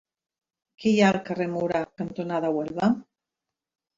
Què hi ha al carrer Mura cantonada Huelva?